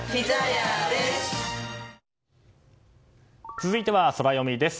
続いては、ソラよみです。